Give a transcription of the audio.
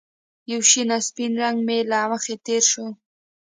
یو شین او سپین رنګ مې له مخې تېر شو